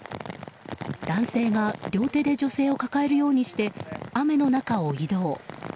男性が両手で女性を抱えるようにして雨の中を移動。